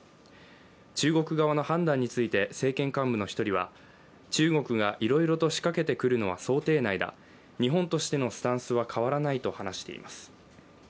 中国側の判断について、政権幹部の１人は中国がいろいろと仕掛けてくるのは想定内だ、日本としてのスタンスは変わらないと話しています。